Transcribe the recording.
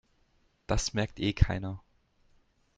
Das merkt eh keiner.